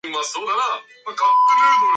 He is buried in Fairview Cemetery in Scottsbluff.